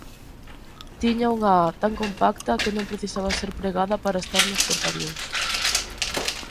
Tiña unha á tan compacta que non precisaba ser pregada para estar nos portaavións.